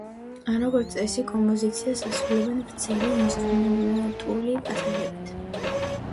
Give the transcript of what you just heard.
როგორც წესი, კომპოზიციას ასრულებდნენ ვრცელი ინსტრუმენტული პასაჟებით.